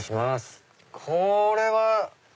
これは。